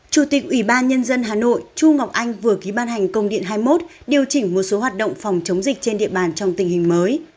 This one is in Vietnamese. chủ tịch ủy ban nhân dân hà nội chu ngọc anh vừa ký ban hành công điện hai mươi một điều chỉnh một số hoạt động phòng chống dịch trên địa bàn trong tình hình mới